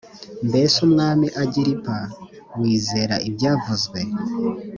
mbese mwami agiripa wizera ibyavuzwe